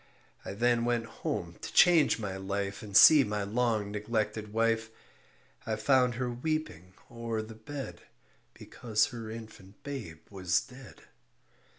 I then went home to change my life And see my long neglected wife. I found her weeping o'er the bed Because her infant babe was dead.